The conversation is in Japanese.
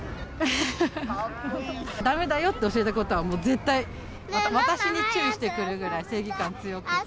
だめだよって教えたことは絶対、私に注意してくるぐらい正義感強くて。